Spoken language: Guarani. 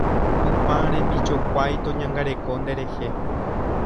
Tupãrembijokuái toñangareko nderehe